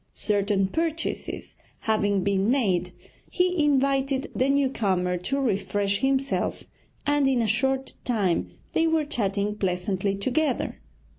Certain purchases having been made, he invited the new comer to refresh himself and in a short time they were chatting pleasantly together.